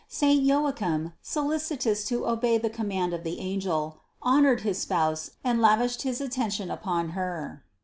Saint Joachim, solicitous to obey the com mand of the angel, honored his spouse and lavished his attention upon her.